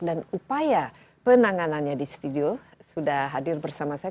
dan upaya penanganannya di studio sudah hadir bersama saya